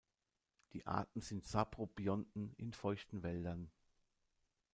Die Arten sind Saprobionten in feuchten Wäldern.